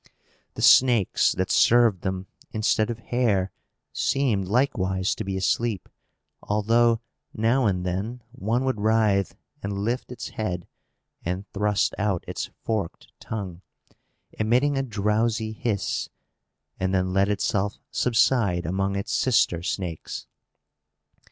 The snakes that served them instead of hair seemed likewise to be asleep; although, now and then, one would writhe, and lift its head, and thrust out its forked tongue, emitting a drowsy hiss, and then let itself subside among its sister snakes.